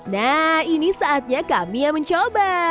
nah ini saatnya kami yang mencoba